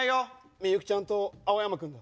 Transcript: みゆきちゃんと青山君だ。